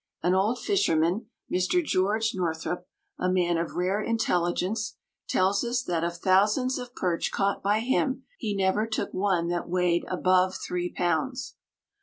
An old fisherman, Mr. George Northrup, a man of rare intelligence, tells us that of thousands of perch caught by him he never took one that weighed above three pounds.